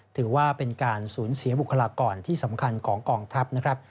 ถือว่าเป็นการสูญเสียบุคลากรที่สำคัญของกองทัพนะครับ